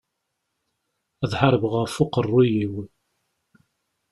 Ad ḥarbeɣ ɣef uqerru-iw.